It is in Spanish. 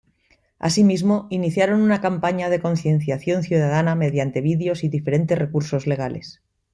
Así mismo, iniciaron una campaña de concienciación ciudadana mediante vídeos y diferentes recursos legales.